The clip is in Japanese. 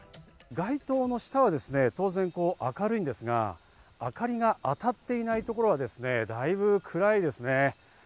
街灯の下は当然明るいんですが、明かりが当たっていないところはですね、だいぶ暗いですね。